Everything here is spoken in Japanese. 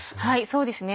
そうですね